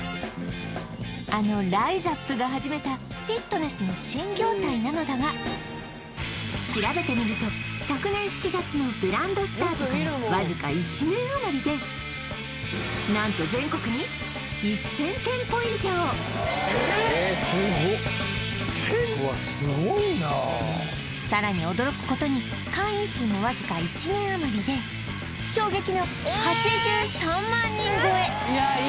あのライザップが始めたフィットネスの新業態なのだが調べてみると昨年７月のブランドスタートからわずか１年あまりで何と１０００はスゴいなさらに驚くことに会員数もわずか１年あまりで衝撃の８３万人超えいやいすぎいすぎ